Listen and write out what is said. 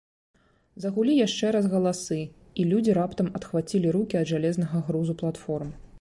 Загулі яшчэ раз галасы, і людзі раптам адхвацілі рукі ад жалезнага грузу платформ.